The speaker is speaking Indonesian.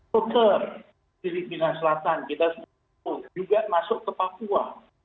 dokter filipina selatan kita semua juga masuk ke papua